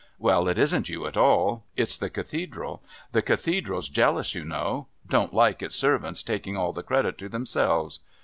Well, it isn't you at all. It's the Cathedral. The Cathedral's jealous, you know don't like its servants taking all the credit to themselves.